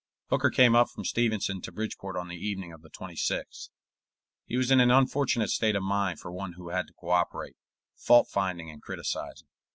Hooker came up from Stevenson to Bridgeport on the evening of the 26th. He was in an unfortunate state of mind for one who had to co operate fault finding and criticising.